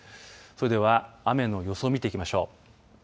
それでは雨の予想を見ていきましょう。